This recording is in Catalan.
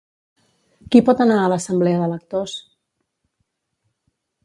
Qui pot anar a l'Assemblea de Lectors?